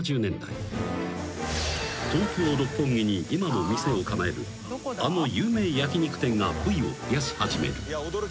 ［東京六本木に今も店を構えるあの有名焼肉店が部位を増やし始める］